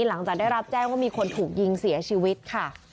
หลังจากได้รับแจ้งว่ามีคนถูกยิงเสียชีวิตค่ะ